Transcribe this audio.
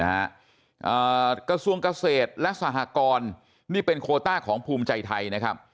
อ่ากระทรวงเกษตรและสหกรนี่เป็นโคต้าของภูมิใจไทยนะครับ